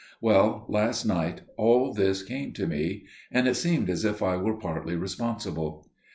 "Well, last night, all this came to me. And it seemed as if I were partly responsible.